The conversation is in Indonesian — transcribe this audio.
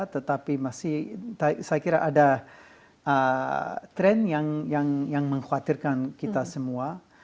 tetapi masih saya kira ada tren yang mengkhawatirkan kita semua